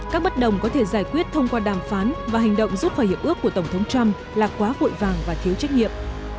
các bất đồng có thể giải quyết thông qua đàm phán và hành động rút khỏi hiệp ước của tổng thống trump là quá vội vàng và thiếu trách nhiệm